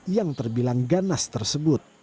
yang terbilang ganas tersebut